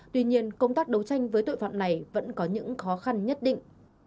tuy nhiên công tác đấu tranh với tội phạm này vẫn có những khó khăn nhất định